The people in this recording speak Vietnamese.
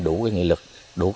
đủ nghị lực đủ